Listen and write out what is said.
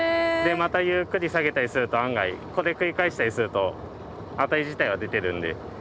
でまたゆっくり下げたりすると案外これ繰り返したりするとアタリ自体は出てるんで。